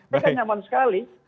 mereka nyaman sekali